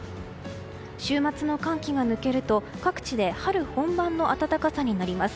週末の寒気が抜けると各地で春本番の暖かさになります。